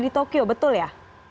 di tokyo betul ya